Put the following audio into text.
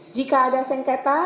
jika ada sengketa